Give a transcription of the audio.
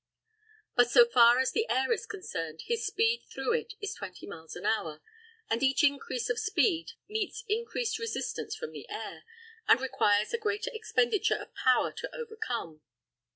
But so far as the air is concerned, his speed through it is 20 miles an hour, and each increase of speed meets increased resistance from the air, and requires a greater expenditure of power to overcome.